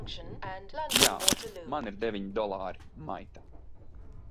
Jā. Man ir deviņi dolāri, maita!